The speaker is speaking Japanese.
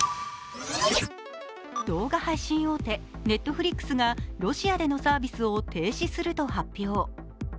動画配信大手、Ｎｅｔｆｌｉｘがロシアでのサービスを停止すると発表。